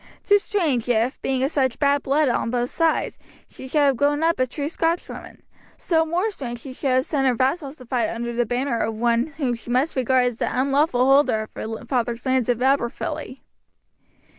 'Tis strange if, being of such bad blood on both sides, she should have grown up a true Scotchwoman still more strange she should send her vassals to fight under the banner of one whom she must regard as the unlawful holder of her father's lands of Aberfilly."